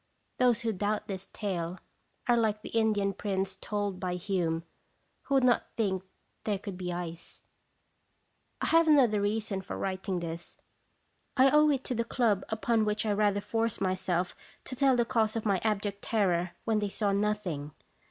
Those who doubt this tale are like the Indian prince told of by Hume, who would not think thare could be ice. 1 have another reason for writing this; I owe it to the club upon which I rather forced myself to tell the cause of my abject terror when they saw nothing.